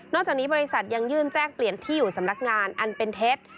จากนี้บริษัทยังยื่นแจ้งเปลี่ยนที่อยู่สำนักงานอันเป็นเท็จ